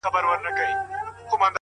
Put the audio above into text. • مړ وجود مي پر میدان وو دړي وړي ,